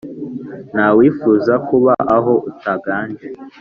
Nta wifuza kuba aho utaganje